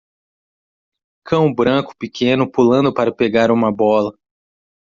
Cão branco pequeno pulando para pegar uma bola